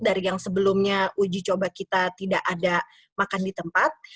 dari yang sebelumnya uji coba kita tidak ada makan di tempat